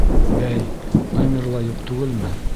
— Бәй, номеры ла юҡ түгелме?